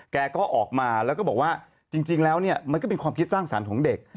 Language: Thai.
แกก็ออกมาแล้วก็บอกว่าจริงแล้วเนี่ยมันก็เป็นความคิดสร้างสรรค์ของเด็ก